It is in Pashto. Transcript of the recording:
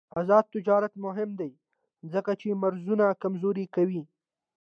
آزاد تجارت مهم دی ځکه چې مرزونه کمزوري کوي.